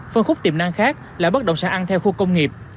phân khúc tiềm năng khác là bất động sản ăn theo khu công nghiệp